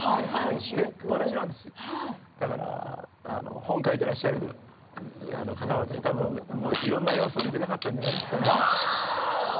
出っぱなしなので、だから本を書いていらっしゃる方はたぶんいろんな要素を入れたかったんじゃないでしょうかね。